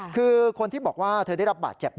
คือคนที่บอกว่าเธอได้รับบาดเจ็บ